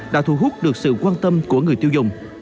đã thu hút được sự quan tâm của người tiêu dùng